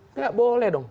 enggak boleh dong